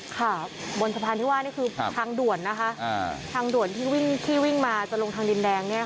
ค่ะบนสะพานที่ว่านี้คือทางด่วนทางด่วนที่วิ่งมาจะลงทางดินแดง